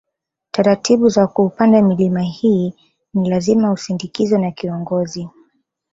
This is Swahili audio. Taratibu za kuupanda milima hii ni lazima usindikizwe na kiongozi